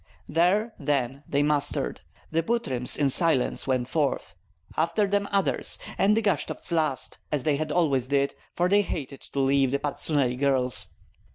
There, then, they mustered. The Butryms in silence went forth; after them others, and the Gashtovts last, as they always did, for they hated to leave the Patsuneli girls.